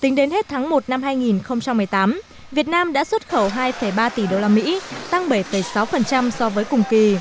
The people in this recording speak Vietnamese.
tính đến hết tháng một năm hai nghìn một mươi tám việt nam đã xuất khẩu hai ba tỷ đô la mỹ tăng bảy sáu so với cùng kỳ